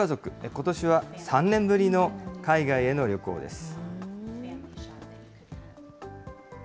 ことしは、３年ぶりの海外への旅行です。